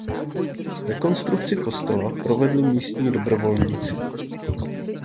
Rekonstrukci kostela provedli místní dobrovolníci.